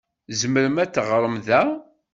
Tzemrem ad teɣṛem da.